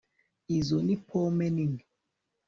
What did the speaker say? Izo ni pome nini